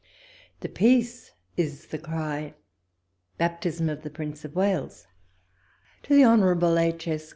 "THE PEACE IS THE CRY ''—BAPTISM OF THE PRINCE OF WALES. To THE Hon. II. S.